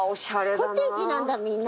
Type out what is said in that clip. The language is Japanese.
コテージなんだみんな。